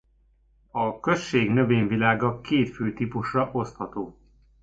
A község növényvilága két fő típusra osztható.